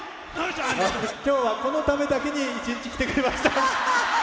きょうはこのためだけに一日来てくれました。